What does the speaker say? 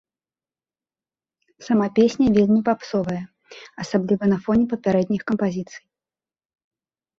Сама песня вельмі папсовая, асабліва на фоне папярэдніх кампазіцый.